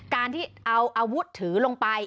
การที่เอาอาวุธถือลงไป